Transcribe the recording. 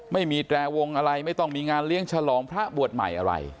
ไม่มีแตรวงอะไรไม่ต้องมีงานเลี้ยงฉลองพระบวชใหม่อะไร